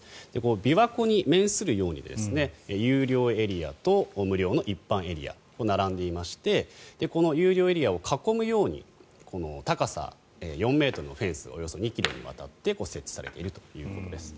琵琶湖に面するように有料エリアと無料の一般エリアが並んでいましてこの有料エリアを囲むように高さ４ｍのフェンスおよそ２ｋｍにわたって設置されているということです。